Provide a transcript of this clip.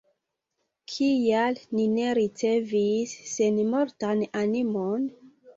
Kial ni ne ricevis senmortan animon?